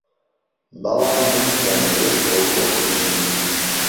بەڵام من دەمەوێت بۆ خۆم بژیم